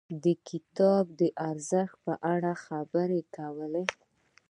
د کتاب د ارزښت په اړه خبرې کول.